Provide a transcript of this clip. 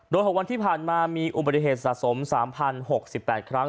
โดย๖วันที่ผ่านมามีอุบัติเหตุสะสม๓๐๖๘ครั้ง